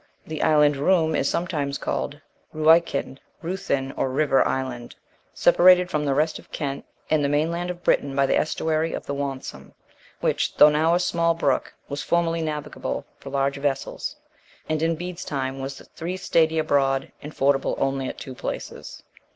(2) Sometimes called Ruoichin, Ruith in, or "river island," separated from the rest of Kent and the mainland of Britain by the estuary of the Wantsum, which, though now a small brook, was formerly navigable for large vessels, and in Bede's time was three stadia broad, and fordable only at two places.